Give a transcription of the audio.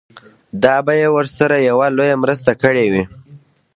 دا به يې ورسره يوه لويه مرسته کړې وي.